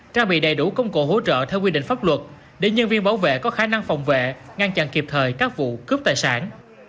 trang bị đầy đủ công cụ hỗ trợ theo quy định pháp luật để nhân viên bảo vệ có khả năng phòng vệ ngăn chặn kịp thời các vụ cướp tài sản